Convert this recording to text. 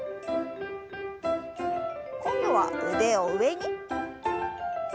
今度は腕を上に。